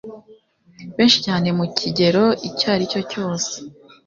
Benshi cyane mu kigero icyo aricyo cyose